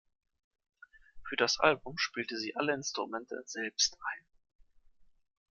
Für das Album spielte sie alle Instrumente selbst ein.